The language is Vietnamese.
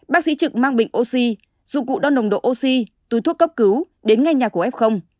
bác sĩ trực mang bình oxy dụng cụ đo nồng độ oxy túi thuốc cấp cứu đến ngay nhà của f